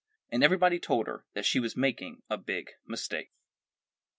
And everybody told her that she was making a big mistake.